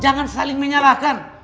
jangan saling menyalahkan